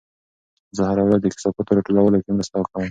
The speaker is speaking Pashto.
زه هره ورځ د کثافاتو راټولولو کې مرسته کوم.